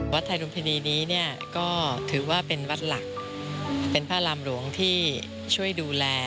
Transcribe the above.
ไทยรุมพินีนี้เนี่ยก็ถือว่าเป็นวัดหลักเป็นพระรามหลวงที่ช่วยดูแล